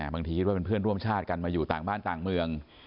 บางทีคิดว่าเป็นเพื่อนร่วมชาติกันมาอยู่ต่างบ้านต่างเมือง